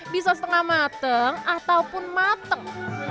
bisa setengah mateng ataupun mateng